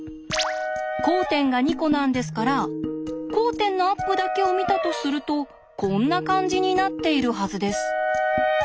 交点が２コなんですから交点のアップだけを見たとするとこんな感じになっているはずです。